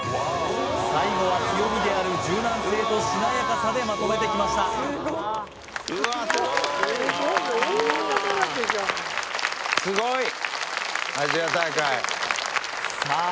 最後は強みである柔軟性としなやかさでまとめてきましたさあ